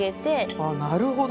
あっなるほど。